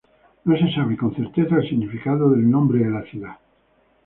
No se sabe con certeza el significado del nombre de la ciudad.